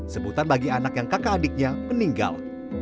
sebutan bagi anak yang kakak adiknya meninggal